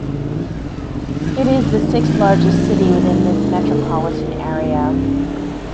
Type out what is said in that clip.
It is the sixth-largest city within this metropolitan area.